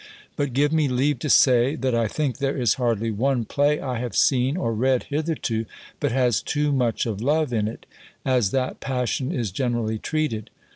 But give me leave to say, that I think there is hardly one play I have seen, or read hitherto, but has too much of love in it, as that passion is generally treated.